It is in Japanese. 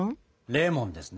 レモンですね。